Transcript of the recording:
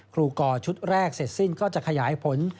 กอชุดแรกเสร็จสิ้นก็จะขยายผล